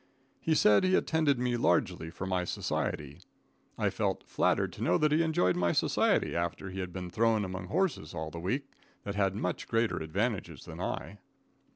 He said he attended me largely for my society. I felt flattered to know that he enjoyed my society after he had been thrown among horses all the week that had much greater advantages than I.